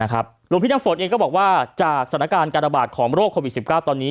หลวงพี่น้ำฝนเองก็บอกว่าจากสถานการณ์การระบาดของโรคโควิด๑๙ตอนนี้